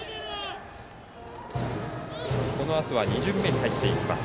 このあとは２巡目に入っていきます。